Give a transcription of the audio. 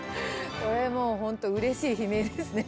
これもう本当、うれしい悲鳴ですね。